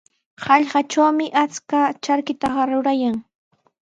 Hallqatrawmi achka charkitaqa rurayan.